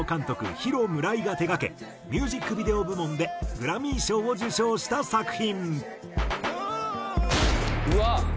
ヒロ・ムライが手がけミュージックビデオ部門でグラミー賞を受賞した作品。